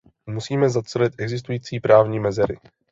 Musíme zacelit existující právní mezery.